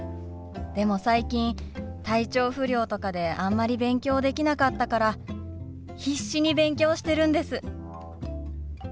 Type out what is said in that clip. でも最近体調不良とかであんまり勉強できなかったから必死に勉強してるんです。